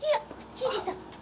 刑事さん。